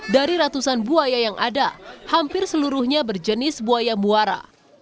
dari ratusan buaya yang ada hampir seluruhnya berjenis buaya muara